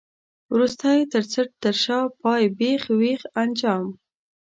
وروستی، تر څټ، تر شا، پای، بېخ، وېخ، انجام.